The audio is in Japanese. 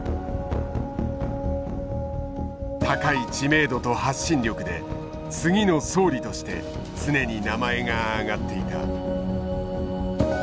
高い知名度と発信力で次の総理として常に名前が挙がっていた。